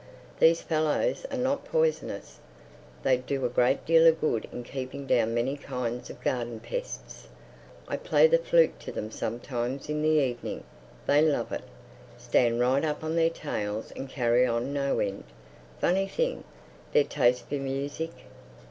"These fellows are not poisonous. They do a great deal of good in keeping down many kinds of garden pests. I play the flute to them sometimes in the evening. They love it. Stand right up on their tails and carry on no end. Funny thing, their taste for music."